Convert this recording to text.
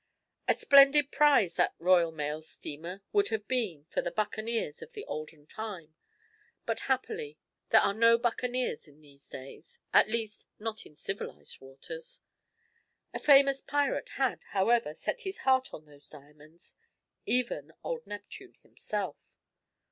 A splendid prize that Royal Mail steamer would have been for the buccaneers of the olden time, but happily there are no buccaneers in these days at least not in civilised waters. A famous pirate had, however, set his heart on those diamonds even old Neptune himself.